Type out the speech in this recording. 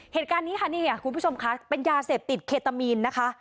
เหตุการณ์นี้ค่ะนี่ไงคุณผู้ชมคะเป็นยาเสพติดเคตามีนนะคะ